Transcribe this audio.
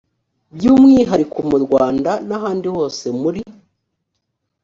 by umwihariko mu rwanda n ahandi hose muri